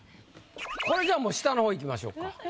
これじゃあもう下の方いきましょうか。